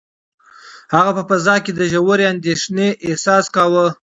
هغه په فضا کې د ژورې اندېښنې احساس کاوه.